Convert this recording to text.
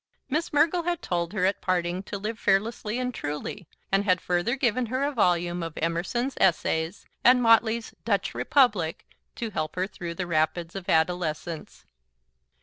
Miss Mergle had told her at parting to live fearlessly and truly, and had further given her a volume of Emerson's Essays and Motley's "Dutch Republic," to help her through the rapids of adolescence.